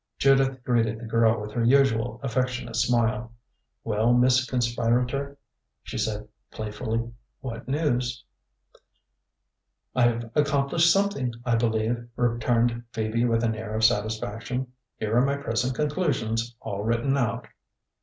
Judith greeted the girl with her usual affectionate smile. "Well, Miss Conspirator," she said playfully, "what news?" "I've accomplished something, I believe," returned Phoebe with an air of satisfaction. "Here are my present conclusions, all written out."